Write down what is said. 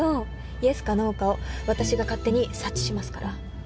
イエスかノーかを私が勝手に察知しますから。